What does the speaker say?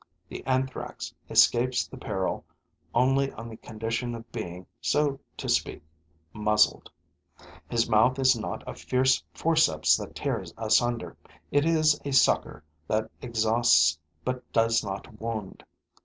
The Anthrax escapes the peril only on the condition of being, so to speak, muzzled. His mouth is not a fierce forceps that tears asunder; it is a sucker that exhausts but does not wound.